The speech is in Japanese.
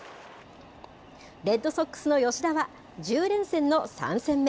レッドソックスの吉田は、１０連戦の３戦目。